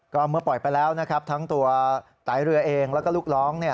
ก็เมื่อปล่อยไปแล้วนะครับทั้งตัวตายเรือเองแล้วก็ลูกน้อง